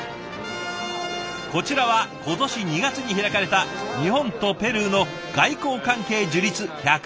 こちらは今年２月に開かれた日本とペルーの外交関係樹立１５０周年セレモニー。